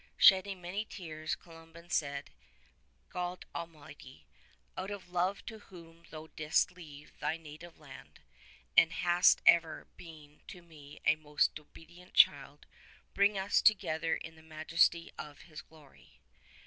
Shedding many tears Columban said: ''God Almighty — out of love to Whom thou didst leave thy native land, and hast ever been to me a most obedient child — ^bring us to gether in the Majesty of His glory."